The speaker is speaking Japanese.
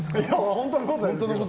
本当のことですよ。